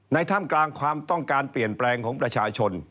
ท่ามกลางความต้องการเปลี่ยนแปลงของประชาชน